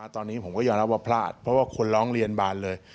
ตอนนี้ผมก็ยอมรับว่าพลาดเพราะว่าคนร้องเรียนบานเลย